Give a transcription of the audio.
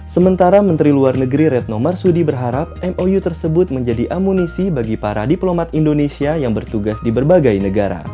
sementara menteri luar negeri retno marsudi berharap mou tersebut menjadi amunisi bagi para diplomat indonesia yang bertugas di berbagai negara